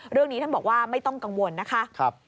เรื่องนี้ท่านบอกว่าไม่ต้องกังวลนะคะ